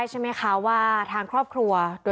หยุด